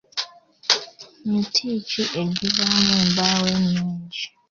Miti ki egivaamu embaawo ennungi?